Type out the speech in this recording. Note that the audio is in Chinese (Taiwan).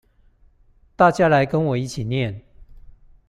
大家來跟我一起念